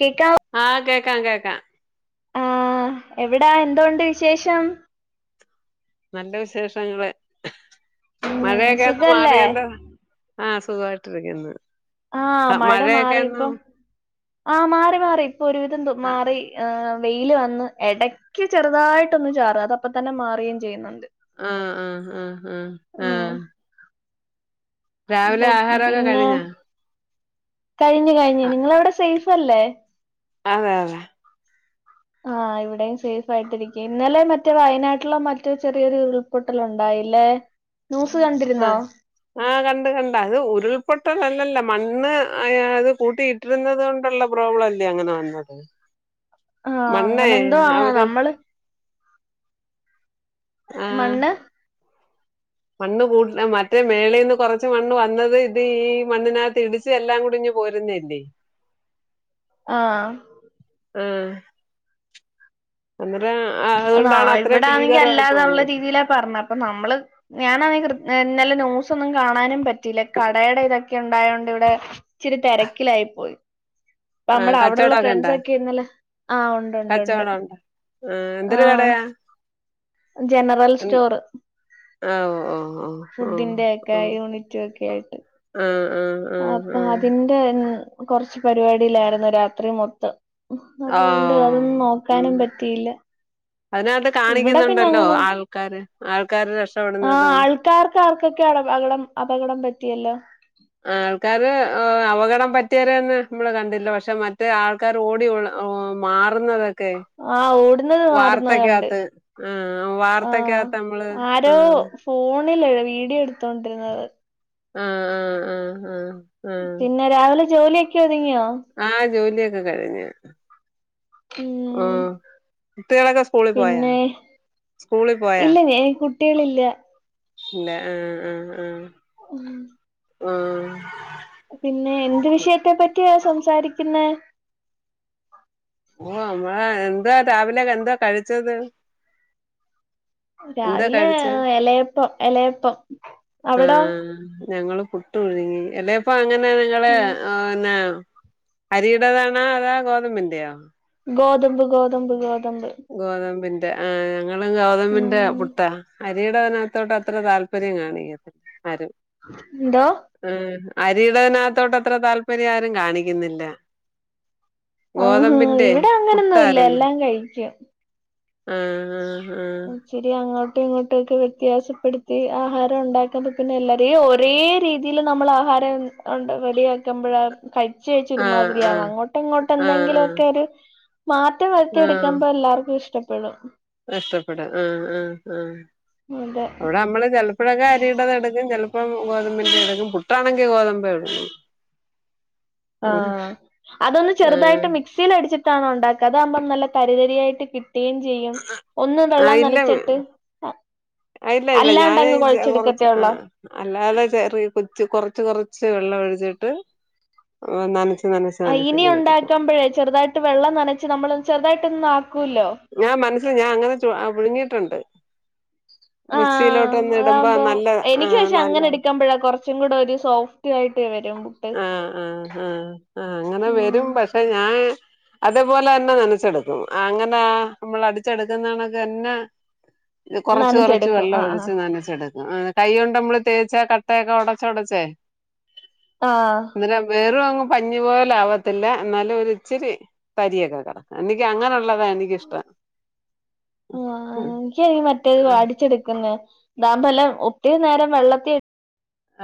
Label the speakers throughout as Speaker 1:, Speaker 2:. Speaker 1: കേക്കാവോ
Speaker 2: ആഹ് കേക്കാം കേക്കാം
Speaker 1: ആ എവിടാ എന്തോണ്ട് വിശേഷം
Speaker 2: നല്ല വിശേഷങ്ങള്
Speaker 1: ഉം
Speaker 2: മഴയൊക്കെ ഒന്ന്
Speaker 1: സുഖല്ലേ
Speaker 2: മാറിയേണ്ട ആഹ് സുഖായിട്ടിരിക്ക്ന്ന്
Speaker 1: ആഹ് മഴ മാറി ഇപ്പം ആഹ് മാറി മാറി ഇപ്പൊ ഒരുവിധം
Speaker 2: ആഹ്
Speaker 1: മാറി വെയില് വന്ന് ഇടയ്ക്ക് ചെറുതായിട്ടൊന്ന് ചാറി അത് അപ്പ തന്നെ മാറുകയും ചെയ്യുന്നുണ്ട്
Speaker 2: ആഹ് ആഹ് ആ ആഹ് ആഹ്
Speaker 1: ഉം
Speaker 2: രാവിലെ ആഹാരമൊക്കെ കഴിഞ്ഞാ
Speaker 1: കഴിഞ്ഞു കഴിഞ്ഞ്
Speaker 2: ആ,
Speaker 1: നിങ്ങളവിടെ സേഫ് അല്ലേ?
Speaker 2: അതെ അതെ
Speaker 1: ആഹ് ഇവിടെയും സേഫ് ആയിട്ടിരിക്കയാ ഇന്നലെ മറ്റേ വയനാട്ടിലോ മറ്റോ ചെറിയൊരു ഉൾപൊട്ടല് ഉണ്ടായില്ലേ? ന്യൂസ് കണ്ടിരുന്നോ
Speaker 2: ആ കണ്ട് കണ്ട് അത് ഉരുൾപൊട്ടല്ലല്ലേ മണ്ണ് അത് കൂട്ടി ഇരുന്നത് കൊണ്ടുള്ള പ്രോബ്ലം അല്ലേ അങ്ങനെ വന്നത്
Speaker 1: ആഹ്
Speaker 2: മണ്ണേ
Speaker 1: അങ്ങനെ എന്തോ ആണ്
Speaker 2: അവര്
Speaker 1: നമ്മള്
Speaker 2: ആഹ്
Speaker 1: മണ്ണ്
Speaker 2: മണ്ണ് കൂടു മറ്റേ മേളിന്ന് കുറച്ച് മണ്ണ് വന്നത് ത് ഈ മണ്ണിനകത്ത് ഇടിച്ച എല്ലാം കൂടി ഇഞ് പോരുന്നല്ലേ
Speaker 1: ആഹ്
Speaker 2: ഉം ആ,
Speaker 1: അതാ
Speaker 2: അതുകൊണ്ടാണ് അത്രയും
Speaker 1: ഇവിടാണെങ്കി
Speaker 2: ഭീകരമായിട്ട്
Speaker 1: അല്ലാതുള്ള
Speaker 2: വന്നത്
Speaker 1: രീതിയിലാ പറഞ്ഞ അപ്പൊ നമ്മള് ഞാനാണേ ക്രി ഇന്നല ന്യൂസ് ഒന്നും കാണാനും പറ്റിയില്ല കടയുടെ ഇതൊക്കെ ഉണ്ടായതോണ്ട് ഇവിടെ ഇച്ചിരി തിരക്കിലായി പോയി അപ്പ
Speaker 2: ആ
Speaker 1: നമ്മടെ അവിടെള്ള
Speaker 2: കച്ചവടൊക്കെ
Speaker 1: ഫ്രണ്ട്സ്
Speaker 2: ഒണ്ടാ
Speaker 1: ഒക്കെ ഇന്നലെ ആഹ് ഉണ്ട് ഉണ്ട് ഉണ്ട്
Speaker 2: കച്ചവടംണ്ട ആ എന്തര്
Speaker 1: ആഹ്
Speaker 2: കടയാ
Speaker 1: ജനറൽ സ്റ്റോറ്
Speaker 2: ആഹ് ഓ ഓ ഓ
Speaker 1: ഫുഡിന്റെ ഒക്കെ യൂണിറ്റും ഒക്കെ ആയിട്ട്
Speaker 2: ആഹ് ആഹ്
Speaker 1: അപ്പൊ അതിന്റെ കൊറച്ച് പരിപാടിയിലായിരുന്നു രാത്രി മൊത്തം
Speaker 2: ആ. ഓ
Speaker 1: അതുകൊണ്ട് അതൊന്നും
Speaker 2: ഉം.
Speaker 1: നോക്കാനും പറ്റിയില്ല
Speaker 2: അതിനകത്ത്
Speaker 1: ഇവിടെ പിന്നെ
Speaker 2: കാണിക്കുന്നുണ്ടല്ലോ
Speaker 1: അങ്ങനെ
Speaker 2: ആൾക്കാര് ആൾക്കാര് രക്ഷപ്പെടുന്നതും
Speaker 1: കാർ ക്കാർക്കൊക്കെ അടപ അടപകം അപകടം പറ്റിയല്ലോ
Speaker 2: ആൾക്കാര് അപകടം പറ്റിയോരേന്നും നമ്മള് കണ്ടില്ല പക്ഷെ മറ്റേ ആൾ ആൾക്കാർ ഓടി മാറുന്നതൊക്കെ ക്കെ
Speaker 1: ആഹ് ഓടുന്നത് മാറുന്നത് കണ്ട്
Speaker 2: വാർത്തക്കകത്ത് ആ വാർത്തക്കകത്ത് നമ്മള് ആഹ്
Speaker 1: ഫോണിൽ വീഡിയോ എടുത്ത് ത്തൊണ്ടിരുന്നത്
Speaker 2: ആഹ് ആഹ് ആഹ് ആഹ് ആഹ് ആഹ്
Speaker 1: പിന്നെ രാവിലെ ജോലിയൊക്കെ ഒതുങ്ങിയോ
Speaker 2: ആ ജോലിയൊക്കെ കഴിഞ്ഞു
Speaker 1: ഉം
Speaker 2: കുട്ടികളൊക്കെ സ്കൂളിൽ പോയാ
Speaker 1: പിന്നെ
Speaker 2: സ്കൂളിൽ പോയാ
Speaker 1: ഇല്ല ഞ കുട്ടികളില്ല
Speaker 2: ഇല്ല ആഹ് ആഹ് ആഹ്
Speaker 1: ഒന്നും
Speaker 2: ആഹ്
Speaker 1: പിന്നെ എന്ത് വിഷയത്തെ പറ്റിയ സംസാരിക്ക്ന്നേ
Speaker 2: ഓ നമ്മളേ എന്താ രാവിലെ എന്തുവാ കഴിച്ചത് എന്താ
Speaker 1: രാവിലെ
Speaker 2: കഴിച്ചേ
Speaker 1: എലയപ്പം എലയപ്പം അവിടോ
Speaker 2: ആഹ് ഞങ്ങള് പു ട്ടുയുങ്ങി അല്ലേപ്പം അങ്ങനെ ഞങ്ങള്
Speaker 1: ഉം
Speaker 2: ഓന്നേ അരീടേതാണോ അതാ ഗോതമ്പിന്റെയോ?
Speaker 1: ഗോതമ്പ് ഗോതമ്പ് ഗോതമ്പ്
Speaker 2: ഗോതമ്പിന്റെ ആ ഞങ്ങള് ഗോതമ്പിന്റെ
Speaker 1: ഉം
Speaker 2: പുട്ടാ അ രീടാനത്തോട്ട് അത്ര താല്പര്യം കാണീ ആരും
Speaker 1: ന്തോ
Speaker 2: ആ അരീടനാത്തോട്ട് അത്ര താല്പര്യം ആരും കാണിക്ക്ന്നില്ല
Speaker 1: ആഹ്
Speaker 2: ഗോതമ്പിൻ്റെ
Speaker 1: ഇവിടെ അങ്ങനൊന്നും ഇല്ല
Speaker 2: പുട്ടായിര്ന്ന്
Speaker 1: എല്ലാം കഴിക്കും
Speaker 2: ആഹ് ആഹ്
Speaker 1: ശരി അങ്ങോട്ടും ഇങ്ങോട്ടും ഒക്കെ വ്യത്യാസപ്പെടുത്തി ആഹാരം ഉണ്ടാക്കാതെ പിന്നെ എല്ലാരും ഒരേ രീ തില് നമ്മള് ആഹാരം ഉണ്ട് റെഡിയാക്കുമ്പഴാണ് കഴിച് കഴച്ച്
Speaker 2: ആഹ് ആഹ്
Speaker 1: ഒരുമാതിരിയാവും അങ്ങോട്ടൊ ഇങ്ങോട്ടൊ
Speaker 2: ആഹ് ആഹ് ആഹ്
Speaker 1: എന്തെങ്കിലൊക്കെ ഒര് മാറ്റം വര്ത്തി എട്ക്കമ്പോ എല്ലാവർക്കും ഇഷ്ടപ്പെടും
Speaker 2: നഷ്ടപ്പെടും ആഹ് ആഹ് ആഹ്
Speaker 1: അതെ
Speaker 2: അവിടെ നമ്മള് ചെൽ ഇപ്പോഴൊക്കെ അരിടാതെ എടുക്കും ചെൽപ്പോം ഗോതമ്പിന്റെ എടുക്കും പുട്ടാണെങ്കിൽ ഗോതമ്പ് എടുക്കും
Speaker 1: ആഹ് അതൊന്ന് ചെറുതായിട്ട്
Speaker 2: ആഹ്
Speaker 1: മിക് സീലടിച്ചിട്ടാണോ ണ്ടാക്ക അതാകുമ്പ നല്ല തരി തരിയായിട്ട് കി ട്ടേം ചെയ്യും ഒന്ന് വെള്ളം നനച്ചിട്ട് ആ
Speaker 2: അയ്ലല്ല ഞാന് കൊറച്ച് ആ
Speaker 1: ഉള്ളോ
Speaker 2: അല്ലാതെ ചെറിയ കൊച്ച് കൊറച്ച് കൊറച്ച് വെള്ളം ഒഴിച്ചിട്ട് നനച്
Speaker 1: ആ ഇനി ഉണ്ടാക്കമ്പഴേ ചെറുതായിട്ട് വെള്ളം നനച്ച് നമ്മളൊ ചെറുതായിട്ട് ഒന്നും ആകോല്ലോ
Speaker 2: ഞാൻ മനസ്സിൽ ഞാൻ അങ്ങനെ ചു ആ പുയുങ്ങിട്ടുണ്ട്
Speaker 1: ആഹ്
Speaker 2: ഇടുമ്പോ
Speaker 1: അതാകുമ്പോ
Speaker 2: നല്ല
Speaker 1: എനിക്ക്
Speaker 2: ആഹ്
Speaker 1: പക്ഷെ
Speaker 2: നല്ല
Speaker 1: അങ്ങനെ എട്ക്കമ്പഴാ കൊറച്ച് ച്ചും കൂടെ ഒരു സോഫ്റ്റ് ആയിട്ട് വരും
Speaker 2: ആഹ് ആഹ് ആഹ് ആ അങ്ങനെ
Speaker 1: ഉം
Speaker 2: വരും പക്ഷെ ഞാൻ അതേപോലെ എന്നെ നനച്ചെട്ക്കും അങ്ങനെ നമ്മൾ അടിച്ചെടുക്കുന്നാണക്കെ എന്നെ ഇത് കൊറച്ച് കൊറച്ച്
Speaker 1: നനച്ചെടുക്കും
Speaker 2: വെള്ളം
Speaker 1: ആഹ് ആഹ്
Speaker 2: ഒഴിച്ച് നനച്ചെട് ആ കൈ കൊണ്ട് നമ്മള് തേച്ചാ കട്ടയൊക്കെ ഒടച് ഒടച്ചേ
Speaker 1: ആഹ്
Speaker 2: അന്നേരം വേറും അങ് പഞ്ഞി പോലെ ആവത്തില്ല എന്നാലും ഒര് ഇച്ചിരി തരിയെക്കാരം എനിക്ക് അങ്ങനെള്ളതാ എനി
Speaker 1: ആഹ് ഇൻക്കത് മറ്റേത്
Speaker 2: ആഹ്
Speaker 1: വാടിച്ചെടുക്കുന്നേ ദാമ്പലം ഒത്തിരി നേരം വെള്ളത്തി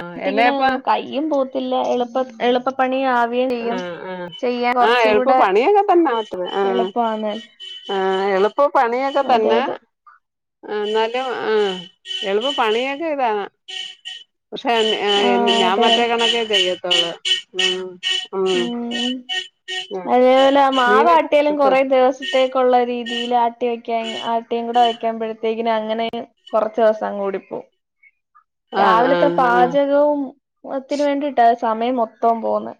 Speaker 2: ആഹ്
Speaker 1: ട്ടിങ്ങനെ
Speaker 2: എലയപ്പ
Speaker 1: കയ്യും പോത്തില്ല എളുപ്പം എളുപ്പം പണി ആവേം ചെയ്യും
Speaker 2: ആഹ് ആഹ്
Speaker 1: ചെയ്യാൻ
Speaker 2: ആഹ്
Speaker 1: കൊറച്ചും
Speaker 2: എളുപ്പ
Speaker 1: കൂടെ
Speaker 2: പണിയൊക്കെ തന്നെ മറ്റത് ആഹ്
Speaker 1: എളുപ്പമാന്നേ
Speaker 2: ആഹ് എളുപ്പ പണിയൊക്കെ തന്നെ ആ ന്നാലും ആഹ് എളുപ്പ പണിയൊക്കെ ഇതാണാ പക്ഷെ
Speaker 1: ആഹ്
Speaker 2: ഞാൻ
Speaker 1: അതെ
Speaker 2: മറ്റേ കണക്കേ ചെയ്യത്തൊള്ളൂ
Speaker 1: ഉം
Speaker 2: ഉം
Speaker 1: അതേപോലെ
Speaker 2: മീനൊക്കെ
Speaker 1: മാവ്ട്ടിയലും
Speaker 2: കിട്ടോ
Speaker 1: കുറെ ദിവസം ത്തേക്കുള്ള രീതിയിൽ ആട്ടി വെക്കാ ആട്ടിയും കൂടെ വയ്ക്മ്പോഴത്തേക്കിനും അങ്ങനെ കുറച്ച ദിവസം കൂടിപ്പോ
Speaker 2: ആഹ്
Speaker 1: രാവിലത്തെ
Speaker 2: ആഹ് ആഹ്
Speaker 1: പാചകവും ത്തിന് വേണ്ടിട്ടാ സമയം മൊത്തം പോന്നെ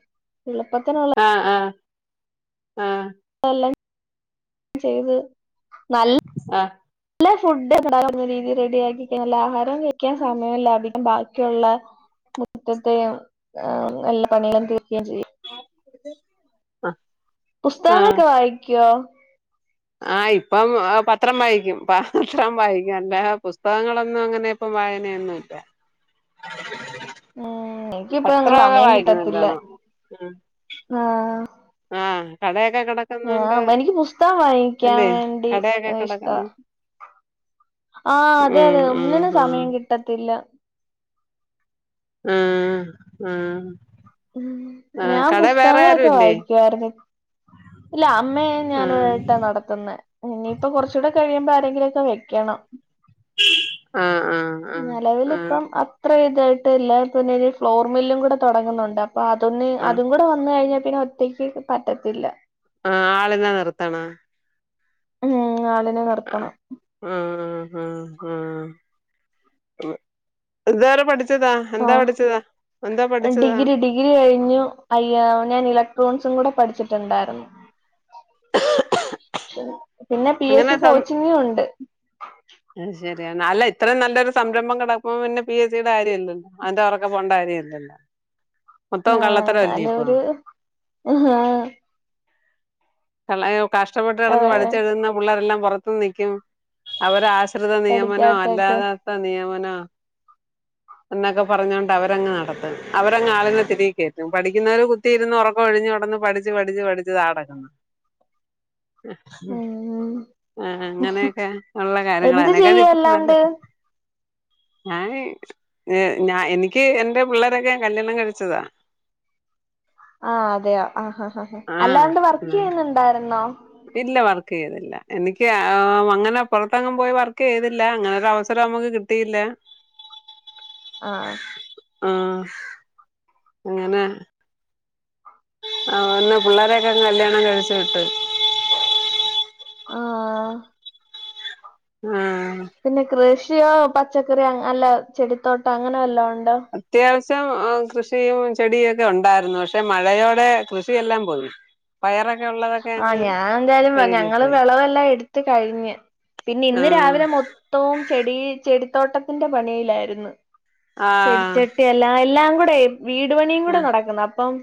Speaker 1: എളുപ്പത്തിനുള്ള
Speaker 2: ആഹ് ആഹ് ആഹ്
Speaker 1: [unintelligible] ചെയ്ത് നല്ല
Speaker 2: ആഹ്
Speaker 1: നല്ല ഫുഡ് [inaudible] രീതിൽ റെഡി ആക്കി നല്ല ആഹാരം കഴിക്കാൻ സമയമല്ല അടിക്കും ബാക്കിയുള്ള മുറ്റത്തെ നല്ല പണി തീർക്കുകയും ചെയ്യും
Speaker 2: [unintelligible] ആഹ്
Speaker 1: പുസ്തകങ്ങളൊക്കെ വായികോ
Speaker 2: അഹ് ഇപ്പം പത്രം വായിക്കും പ പത്രം വായിക്കും അല്ല പുസ്തകങ്ങളൊന്നും അങ്ങനെ ഇപ്പം വായനൊന്നുംല്ല
Speaker 1: ഉം എനിക്കിപ്പ അങ്ങനെ
Speaker 2: പത്രമൊക്കെ
Speaker 1: സമയം
Speaker 2: വായിക്കും
Speaker 1: കിട്ടത്തില്ല
Speaker 2: നല്ലോണം ഉം
Speaker 1: ആഹ്
Speaker 2: ആഹ് കടയാക്കെ കട
Speaker 1: ആഹ് എനിക്ക് പുസ്തകം വാങ്ങിക്കാൻ വേണ്ടി
Speaker 2: കടയൊക്കെ
Speaker 1: ഇഷ്ട
Speaker 2: കിടക്കുന്നു
Speaker 1: ആഹ് അതെ
Speaker 2: ഉം
Speaker 1: അതെ
Speaker 2: ഉം
Speaker 1: ഒന്നിനും
Speaker 2: ഉം
Speaker 1: സമയം കിട്ടത്തില്ല
Speaker 2: ഉം ഉം
Speaker 1: ഉം ഞാൻ
Speaker 2: ആരും
Speaker 1: പുസ്തകങ്ങളൊക്കെ
Speaker 2: ഇല്ലേ
Speaker 1: വായിക്കുയിരുന്നു ഇല്ല അമ്മയ
Speaker 2: ആഹ്
Speaker 1: ഞൻട്ടാ നടത്തുന്ന ഇനിയിപ്പൊ കുറച്ച കൂടെ കഴിയുമ്പോ ആരെങ്കിലുംക്കെ വെക്കണം
Speaker 2: ആഹ് ആഹ് ആഹ് ആഹ്
Speaker 1: നിലവിലിപ്പം അത്ര ഇതായിട്ട്ല്ല പിന്നെഈ ഫ്ലോർ മില്ലും കൂടെ തുടങ്ങുന്നുണ്ട് അപ്പൊ അതൊന്ന
Speaker 2: ആഹ്
Speaker 1: അതും കൂടെ വന്ന കഴിഞ്ഞാ പിന്നെ ഒറ്റയ്ക്ക് പറ്റത്തില്ല
Speaker 2: ആഹ് ആളെല്ലാ നിർത്തണ
Speaker 1: ഉം ആളിനെ നിർതണം
Speaker 2: ഉം ഉം ഉം ഉം ഉം ഇതുറെ പഠി ച്ചതാ എന്താ
Speaker 1: ആഹ്
Speaker 2: പഠിച്ചതാ എന്താ പഠിച്ചതാ
Speaker 1: ഡിഗ്രി ഡിഗ്രി കഴിഞ്ഞു അയ്യ ഞാൻ ഇലക്ട്രോണിക്സും കൂടെ പഠിച്ചിട്ടുണ്ടായിരുന്നു പിന്നെ പി എസ്
Speaker 2: അങ്ങനെ
Speaker 1: സി കോച്ചിങ്ങും ഉണ്ട്
Speaker 2: ശരിയ അല്ല ഇത്രയും നല്ലൊരു സംരംഭം കിടക്കുമ്പ പിന്നെ പി എസ് സിയുടെ കാര്യമ ഇല്ലല്ലോ അന്റെ ഉറക്കെ പോകേണ്ട കാര്യം ഇല്ലല്ലോ മൊത്തം കള്ളത്തരംല്ലേ ഇപ്പൊ
Speaker 1: ആഹ്
Speaker 2: കഷ്ടപ്പെട്ട്
Speaker 1: ആ
Speaker 2: കിടന്ന് പഠിച്ചഴുതുന്ന പിള്ളേരെല്ലാം പുറത്ത് നൽക്കും അവ വിശൃത നിയമനോ
Speaker 1: പഠിക്കാത്തൊക്കെ
Speaker 2: അല്ലാതാത്ത നിയമനോ
Speaker 1: ആഹ്
Speaker 2: എന്നൊക്കെ പറഞ്ഞോണ്ട് അവരങ് നടത്തും അവരങ്ങ് ആളിനെ തിരിക കയറ്റും പഠിക്കുന്നവര് കുത്തി ഇരുന്ന് ഉറക്കം ഒഴിഞ്ടന്ന് പഠ പടിച്ച് പടിച്ച് താടക്കുന്നു
Speaker 1: ഉം
Speaker 2: ആഹ് അങ്ങനെയൊക്കെ ഉള്ള
Speaker 1: എന്ത്
Speaker 2: കാര്യങ്ങളനെക്കാള
Speaker 1: ചെയ്യ
Speaker 2: ഇത്ര
Speaker 1: അല്ലാണ്ട്
Speaker 2: നല്ലത് ഞാന് ഏയ് ഞാ എനിക്ക് എൻ്റെ പിള്ളേരൊക്കെ കല്യാണം കഴിച്ചതാ
Speaker 1: ആഹ് അതെയോ ആഹ്
Speaker 2: ആഹ്
Speaker 1: അല്ലാണ്ട് വർക്ക് ചെയ്യുന്നുണ്ടായിരുന്നോ
Speaker 2: ഇല്ല വർക്ക് ചെയ്തില്ല എനിക്ക് അങ്ങനെപ്പുറത്തങ്ങും പോയി വർക്ക് ചെയ്തില്ല അങ്ങനെ ഒരു അവസരം നമുക്ക് കി ത്തില്ല
Speaker 1: ആഹ്
Speaker 2: ആഹ് അങ്ങനെ ഒന്ന് പിള്ളേരൊക്കെ കല്യാണം കഴിച്ചു വിട്ട്
Speaker 1: ആഹ്
Speaker 2: ആഹ്
Speaker 1: പിന്നെ കൃഷിയോ പച്ചക്കറിയോ അല്ല ചെടിത്തോട്ടം അങ്ങനെല്ലോ ഉണ്ടൊ
Speaker 2: അത്യാവശ്യം കൃഷിയും ചെടിയും ഒക്കെ ഉണ്ടായിരുന്നു പക്ഷെ മഴയോടെ കൃഷിയെല്ലാം പോയി പയറൊക്കെ ഉള്ളത്
Speaker 1: ആഹ് ഞാൻ എന്തായാലും ഞങ്ങള് വിളവെല്ലാം എടുത് കഴിഞ്ഞ് പിന്നെ ഇന്ന്
Speaker 2: ആഹ്
Speaker 1: രാവിലെ മു തോം ചെടി ചെടിത്തോട്ടത്തിന്റെ പണിയിലായിരുന്നു ചെടിച്ച
Speaker 2: ആഹ്
Speaker 1: ട്ടി എല്ലാ എല്ലാം കൂടെ വീട് പണിയും കൂടെ നടക്കുന്ന അപ്പം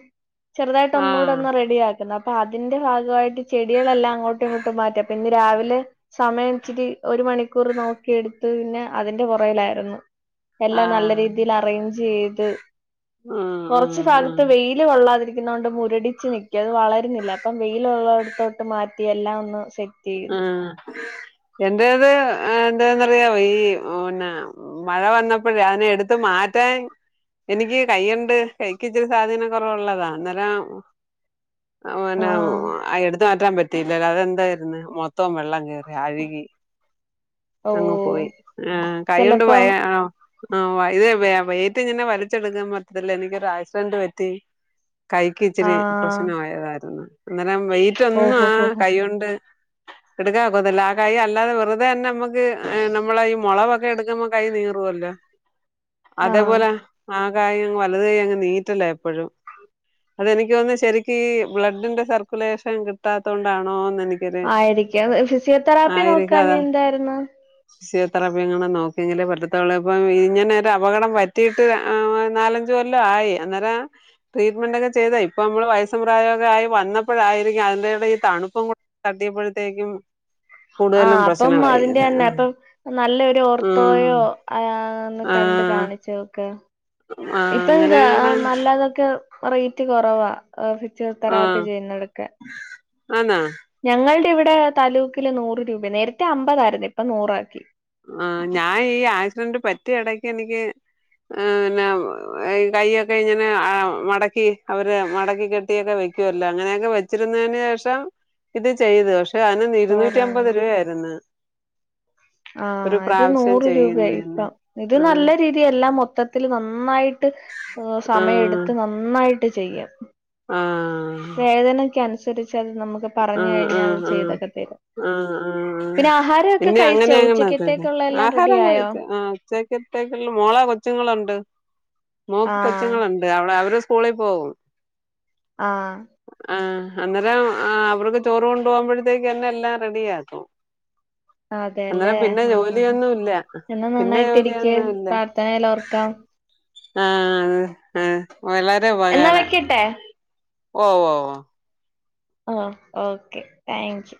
Speaker 1: ചെറുതായിട്ട്
Speaker 2: ആഹ്
Speaker 1: ഒന്നുകൂടി
Speaker 2: ആഹ്
Speaker 1: ഒന്ന് റെഡി ആ എന്നാപ്പതിന്റെ ഭാഗവായിട്ട് ചെടികളെല്ലാം അങ്ങോട്ടും ഇങ്ങോട്ടും മാറ്റി അപ്പൊ ഇന്ന് രാവിലെ സമയം ഇച്ചിരി ഒരു മണിക്കൂർ നോക്കിയെടുത്ത് പിന്നെ അതിന്റെ പുറയിലായിരുന്നു എല്ലാം നല്ല
Speaker 2: ആഹ്
Speaker 1: രീതിയിൽ അറേഞ്ച്യ്ത്
Speaker 2: ആഹ്
Speaker 1: കൊർച്
Speaker 2: ആഹ് ആഹ്
Speaker 1: ഭാഗത്ത് വെയില് കൊള്ളാതിരിക്കുന്നോണ്ട് മുരടിച്ച് നിക്ക അത് വളരുന്നില്ല ഇപ്പം വെയിയിലുള്ളോട്ത്തോട്ട് മാറ്റി എല്ലാം ഒന്ന് സെ
Speaker 2: ആഹ് എന്റേത് എന്താെന്നറിയോ ഈ പിന്നെ മഴ വന്നപ്പോഴ അതിനെ എടുത് മാറ്റാൻ എനിക്ക് കയ്യുണ്ട് കൈക്ക് ഇച്ചിരി സാധീന കുറവുള്ളതാ അന്നേരം ഓന്നെ
Speaker 1: ആഹ്
Speaker 2: എടുത്ത് മാറ്റാൻ പറ്റിയില്ലല്ലോ അതെന്താ ന്ന് മൊത്തം വെള്ളം കേറി അഴുകി
Speaker 1: ഓ
Speaker 2: അങ്ങ് പോയി ആഹ് കയ്യണ്ട്
Speaker 1: ചെലപ്പം
Speaker 2: വായാ ഓഹ് ആഹ് ഇത് വേറ്റ് ഇങ്ങനെ വലിച്ചെടുക്കാൻ പറ്റത്തില്ല എനിക്കൊരു ആക്സിഡന്റ് പറ്റി കൈക്ക് ഇച്ചിരി
Speaker 1: ആഹ്
Speaker 2: പ്രശ്ന ആയതായിരുന്നു അന്നേരം വെയിറ്റ് ഒന്നും ആ
Speaker 1: ഓഹോ ഹോ ഹോ
Speaker 2: കയ്യണ്ട് എടുക്കക്കുന്നല്ല ആ കൈ അല്ലതെവെറുതന്നെ നമുക്ക് ത് ഹ് നമ്മള ഈ മുളവൊക്കെ എടുക്കുമ്പോ കൈ നീറുവല്ലോ
Speaker 1: ആഹ്
Speaker 2: അതേപോലെ ആഹ് കായംങ്ങ് വലത കയ് അങ്ങ് നീറ്റല്ല എപ്പോഴും അതെനിക്കോന്നെ ശെരിക് ഈ ബ്ലഡിന്റെ സർക്കുലേഷൻ കിട്ടാത്തത് കൊണ്ടാണോന്ന് എനി
Speaker 1: ആയിരിക്കും ഫിസിയോതെറാപ്പി നോക്കാ
Speaker 2: അതാ
Speaker 1: ഞേ എന്തായിരുന്നു
Speaker 2: ഫിസിയോതെറാപ്പി ഇങ്ങനെ നോക്കിയെങ്കില് പറ്റത്തള്ളൂ ഇപ്പ ഇങ്ങനരെ അപകടംപറ്റിട്ട് നാലഞ് ന്ജ് കൊല്ലം ആയി അന്നേരം ട്രീറ്റ്മെന്റ് ഒക്കെ ചെയ്താ ഇപ്പോ മ്മള് വയസ്സും പ്രായോഗായി വന്നപ്പഴായിരിക്കും അതിന്റെടെ ഈ തണുപ്പും കൂ തട്ടിയപ്പോഴത്തേക്കും
Speaker 1: ആഹ്
Speaker 2: കൂടുതലും
Speaker 1: അപ്പം
Speaker 2: പ്രശ്നമായി
Speaker 1: അതിന്റെ
Speaker 2: ഇത്
Speaker 1: തന്നെ അപ്പൊ നല്ലൊരു ഓർത്തോയോ ആന്ന്
Speaker 2: ആ
Speaker 1: കണ്ട്
Speaker 2: ആ
Speaker 1: കാണിച്ചോക്കെ
Speaker 2: ആഹ്
Speaker 1: ഇപ്പം ഗാ
Speaker 2: അങ്ങനെയാണോ
Speaker 1: നല്ലാതൊക്കെ പ റേറ്റ് കുറവാ എഹ് ഫിസിയോ തെറാപ്പി ചെയ്യുന്നടൊക്കെ
Speaker 2: ആന്നോ
Speaker 1: ഞങ്ങളുടെ ഇവിടെ താലൂക്കില് നൂറ് രൂപ നേരത്തെ അമ്പതായിരുന്നു ഇപ്പ നൂറാക്കി
Speaker 2: ആഹ് ഞാൻ ഈ ആക്സിഡന്റ് പറ്റിയ ഇടക്ക് എനിക്ക് ആഹ് ന്നെ കൈയ്യൊക്കെ ഇങ്ങനെ ആഹ് മടക്കി അവര് മടക്കി കെട്ടിയൊക്കെ വെക് ക്യോല്ലോ അങ്ങനെയൊക്കെ വെച്ചിരുന്നയ്ന് ശേഷം ഇത് ചെയ്തു പക്ഷെ അന് ഇരുന്നൂറ്റി അമ്പത്
Speaker 1: കൊറവുണ്ട്
Speaker 2: രൂവയായിരുന്നു
Speaker 1: ആഹ് അത്
Speaker 2: പ്രാവശ്യം
Speaker 1: നൂറ് രൂപ ഇപ്പ
Speaker 2: ചെയ്യുന്നതിന്
Speaker 1: ഇത് നല്ല
Speaker 2: ആഹ്
Speaker 1: രീതി തി എല്ലാം മൊത്തത്തില് നന്നായിട്ട് സമയം
Speaker 2: ആഹ്
Speaker 1: എടുത്ത് നന്നായിട്ട് ചെയ്യാം
Speaker 2: ആഹ്
Speaker 1: വേദനക് അനുസരിച്ച് അത് നമുക്ക്
Speaker 2: ആഹ്
Speaker 1: പറഞ്ഞുഴിഞ്ഞാൽ അത്
Speaker 2: ആഹ് ആഹ്
Speaker 1: ചെയ്തൊക്കെ തര
Speaker 2: ആഹ് ആഹ്
Speaker 1: പിന്നെ ആഹാരോക്കെ
Speaker 2: ഇനി അങ്ങനെ
Speaker 1: കഴിച്ചോ
Speaker 2: അങ്ങനൊക്കെ
Speaker 1: ഉച്ചക്കത്തേക്കുള്ള എല്ലാം റെഡി ആയോ
Speaker 2: ച്ചേകെതേക്ള്ളെ മോള കൊച്ചുങ്ങളുണ്ട് മോക്ക്
Speaker 1: ആഹ്
Speaker 2: കൊച്ചുങ്ങളു തെ അവളെ അവര് സ്കൂളി പോകും
Speaker 1: ആഹ്
Speaker 2: ആഹ് അന്നേരം ആഹ് അവർക്ക് ചോറ് കൊണ്ടു പോഉമ്പഴത്തേക്ക് തന്നെ എല്ലാം റെഡി ആക്കും
Speaker 1: അതെല്ലേ
Speaker 2: അന്നേരം പിന്നെ
Speaker 1: ആഹ് ആഹ്
Speaker 2: ജോലിയൊന്നും ഇല്ല പിന്നെ ജോലിയൊന്നും ഇല്ല
Speaker 1: ഏലൊർക്കം
Speaker 2: ആ ഹാ വളരെ ഉപകാര
Speaker 1: ഇട്ടേ
Speaker 2: ഓ വോ വ
Speaker 1: ആ ഓക്കേ താങ്ക് യു